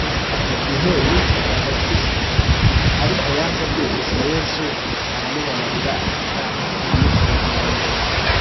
igihe yicaga abakristu ariko yaje kwicuza yezu aramubabarira ahita amushinga umurimo